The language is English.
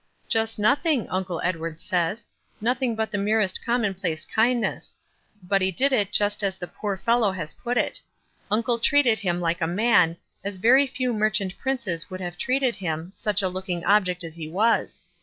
" Just nothing, Uncle Edward says. Nothing but the merest commonplace kindness ; but he did it just as the poor fellow has put it. Uncle treated him like a man, as very few merchant princes would have treated him, such a looking object as he was.